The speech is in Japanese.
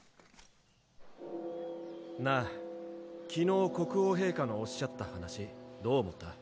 なあ昨日国王陛下のおっしゃった話どう思った？